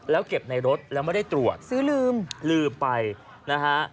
แล้วเก็บในรถแล้วไม่ได้ตรวจซื้อลืมลืมไปนะฮะ